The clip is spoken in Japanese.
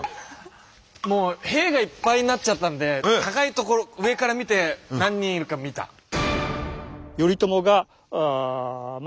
もう兵がいっぱいになっちゃったんで高い所上から見て何人いるか見た。